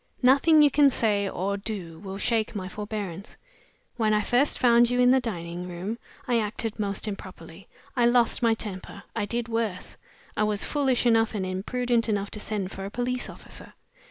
Nothing you can say or do will shake my forbearance. When I first found you in the dining room, I acted most improperly; I lost my temper. I did worse; I was foolish enough and imprudent enough to send for a police officer.